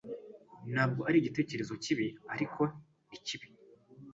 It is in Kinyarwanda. Ntabwo ari igitekerezo kibi, ariko ni kibi.